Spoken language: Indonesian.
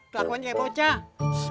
kelakuannya kayak bocah